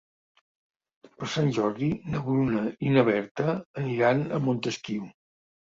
Per Sant Jordi na Bruna i na Berta aniran a Montesquiu.